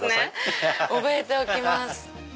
覚えておきます。